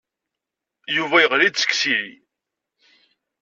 Yuba yeɣli-d seg yisili.